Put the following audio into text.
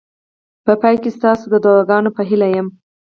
په پای کې ستاسو د دعاګانو په هیله یم.